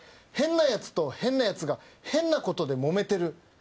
「変なやつと変なやつが変なことでもめてる」